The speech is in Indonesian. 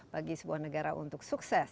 bagi sebuah negara untuk sukses